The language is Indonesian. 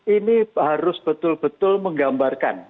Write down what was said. ini harus betul betul menggambarkan